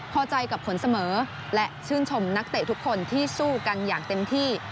พอใจกับผลเสมอและชื่นชมนักเตะทุกคนที่สู้กันอย่างเต็มที่